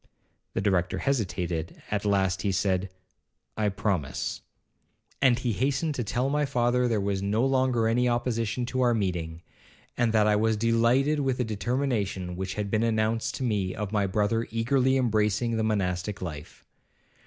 The Director hesitated, at last he said, 'I promise.' And he hastened to tell my father there was no longer any opposition to our meeting, and that I was delighted with the determination which had been announced to me of my brother eagerly embracing the monastic life.